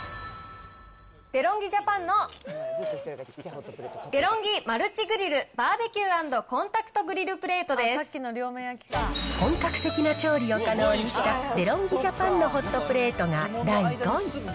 デロンギ・ジャパンのデロンギマルチグリルバーベキュー＆コ本格的な調理を可能にした、デロンギ・ジャパンのホットプレートが第５位。